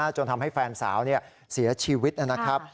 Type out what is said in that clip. จนทำให้แฟนสาวเสียชีวิตนะครับ